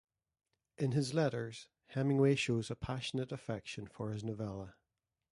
In his letters, Hemingway shows a passionate affection for his novella.